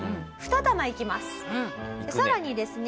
さらにですね